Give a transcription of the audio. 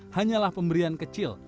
hanyalah pemberian kecil